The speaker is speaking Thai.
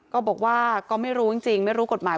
ก็บอกว่าก็ไม่รู้จริงไม่รู้กฎหมาย